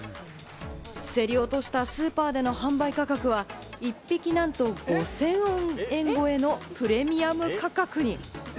競り落としたスーパーでの販売価格は、１匹なんと５０００円超えのプレミアム価格に。